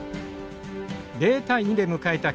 ０対２で迎えた